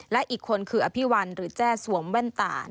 และอีกคนคืออภิวัลหรือแจ้สวมแว่นตา